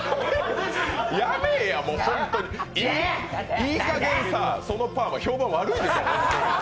やめぇや、いいかげんさ、そのパーマ評判悪いですよ。